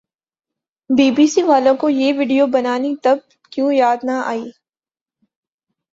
be B C والوں کو یہ وڈیو بنانی تب کیوں یاد نہ آئی